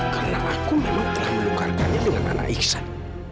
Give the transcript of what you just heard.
karena aku memang telah menukarkannya dengan anak iksan